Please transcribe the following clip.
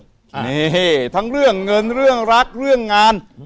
นี่ทั้งเรื่องเงินเรื่องรักเรื่องงาน